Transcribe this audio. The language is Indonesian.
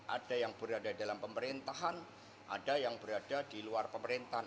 ada yang berada dalam pemerintahan ada yang berada di luar pemerintahan